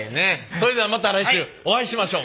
それではまた来週お会いしましょう。